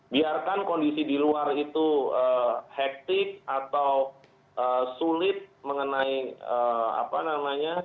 biarkan kondisi di luar itu hektik atau sulit mengenai apa namanya